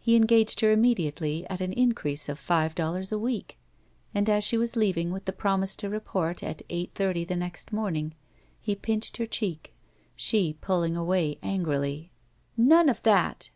He engaged her immediately at an increase of five dollars a week, and as she was leaving with the promise to report at eight thirty the next morning he pinched her cheek, she pulling away angrily. ''None of that!"